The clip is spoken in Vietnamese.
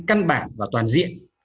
đáng bản và toàn diện